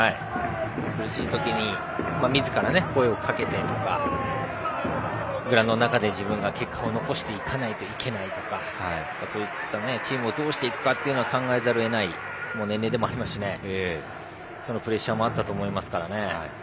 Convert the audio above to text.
苦しい時にみずから声をかけてとかグラウンドの中で自分が結果を残さないといけないとかチームをどうしていくかは考えざるを得ない年齢でもありますしそのプレッシャーもあったと思いますからね。